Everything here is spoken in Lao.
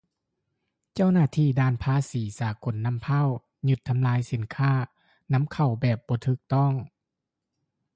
ເຈົ້າໜ້າທີດ່ານພາສີສາກົນນໍ້າພາວ ຢຶດ – ທຳລາຍສີນຄ້ານຳເຂົ້າແບບບໍ່ຖືກຕ້ອງ